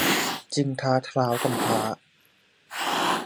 จึงท้าท้าวกำพร้า